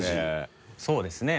そうですね。